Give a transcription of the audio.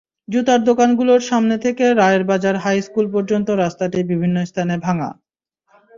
জুতার দোকানগুলোর সামনে থেকে রায়েরবাজার হাইস্কুল পর্যন্ত রাস্তাটি বিভিন্ন স্থানে ভাঙা।